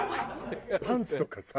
パンツとかさ。